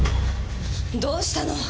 どうしたの？